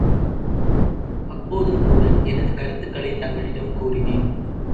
அப்போதும் கூட எனது கருத்துக்களைத் தங்களிடம் கூறினேன்.